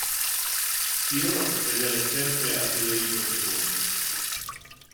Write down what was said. Piero fedele sempre a Federico II.